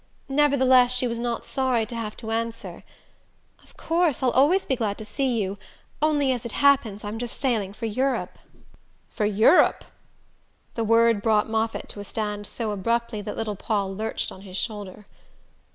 Nevertheless she was not sorry to have to answer: "Of course I'll always be glad to see you only, as it happens, I'm just sailing for Europe." "For Europe?" The word brought Moffatt to a stand so abruptly that little Paul lurched on his shoulder.